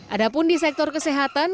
adapun di sektor kesehatan